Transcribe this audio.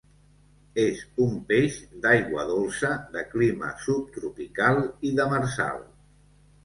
És un peix d'aigua dolça, de clima subtropical i demersal.